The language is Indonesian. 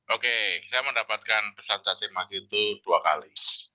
oke saya mendapatkan pesan cacimaki itu dua kali